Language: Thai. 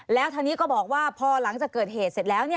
แล้วทางนี้ก็บอกว่าพอหลังจากเกิดเหตุเสร็จแล้ว